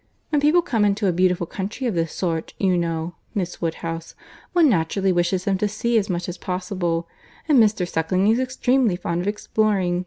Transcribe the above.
When people come into a beautiful country of this sort, you know, Miss Woodhouse, one naturally wishes them to see as much as possible; and Mr. Suckling is extremely fond of exploring.